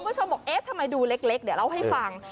คุณผู้ชมบอกเอ๊ะทำไมดูเล็กเดี๋ยวเล่าให้ฟัง